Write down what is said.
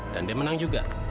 dan dia menang juga